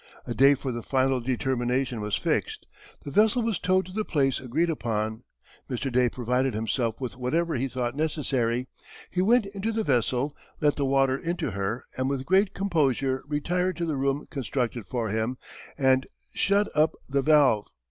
A day for the final determination was fixed; the vessel was towed to the place agreed upon; Mr. Day provided himself with whatever he thought necessary; he went into the vessel, let the water into her and with great composure retired to the room constructed for him, and shut up the valve.